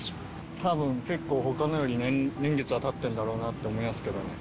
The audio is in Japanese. たぶん、結構ほかのより年月はたってるんだろうなと思いますけどね。